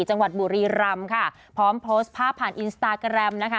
จังหวัดบุรีรำค่ะพร้อมโพสต์ภาพผ่านอินสตาแกรมนะคะ